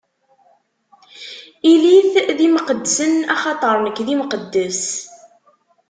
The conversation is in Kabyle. Ilit d imqeddsen, axaṭer nekk d Imqeddes.